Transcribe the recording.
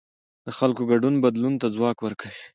د خلکو ګډون بدلون ته ځواک ورکوي